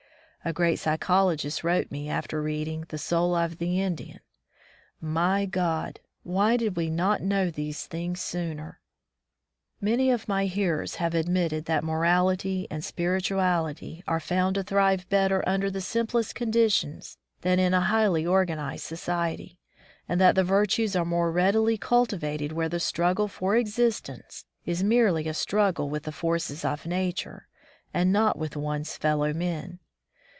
A great psychologist wrote me after reading "The Soul of the Indian": "My God! 187 From the Deep Woods to Civilization why did we not know these things sooner ?" Many of my hearers have admitted that morality and spirituality are found to thrive better under the simplest conditions than in a highly organized society, and that the virtues are more readily cultivated where the "struggle for existence" is merely a struggle with the forces of nature, and not with one's fellow men.